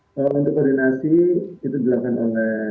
kalau untuk koordinasi itu dilakukan oleh